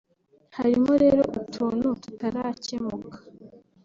Harimo rero utuntu tutarakemuka